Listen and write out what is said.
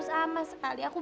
satria marah sama aku